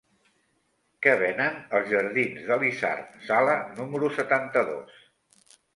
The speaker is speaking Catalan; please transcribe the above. Què venen als jardins d'Elisard Sala número setanta-dos?